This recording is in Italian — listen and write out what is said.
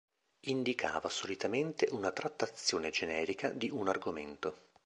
Indicava solitamente una trattazione generica di un argomento.